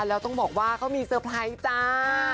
แล้วต้องบอกว่าเขามีเซอร์ไพรส์จ้า